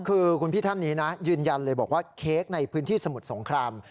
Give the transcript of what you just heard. คือคุณพี่ท่านนี้นะยืนยันเลยบอกว่าเค้กในพื้นที่สมุทรสงคราม